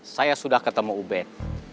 saya sudah ketemu ubed